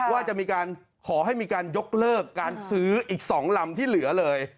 ว่าจะมีการขอให้มีการยกเลิกการซื้ออีก๒ลำที่เหลือเลย